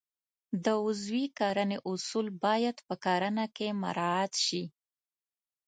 د عضوي کرنې اصول باید په کرنه کې مراعات شي.